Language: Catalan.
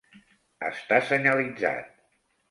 Està senyalitzat.